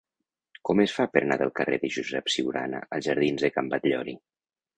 Com es fa per anar del carrer de Josep Ciurana als jardins de Can Batllori?